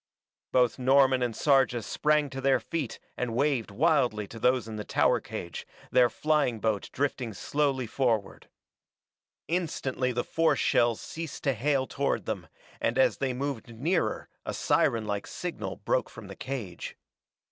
Both Norman and Sarja sprang to their feet and waved wildly to those in the tower cage, their flying boat drifting slowly forward. Instantly the force shells ceased to hail toward them, and as they moved nearer a sirenlike signal broke from the cage.